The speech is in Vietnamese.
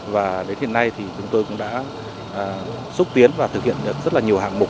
và đến hiện nay thì chúng tôi cũng đã xúc tiến và thực hiện rất là nhiều hạng mục